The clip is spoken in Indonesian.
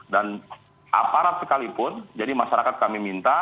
dan aparat sekalipun jadi masyarakat kami minta